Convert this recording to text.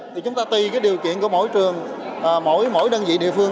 thì chúng ta tùy điều kiện của mỗi trường mỗi đơn vị địa phương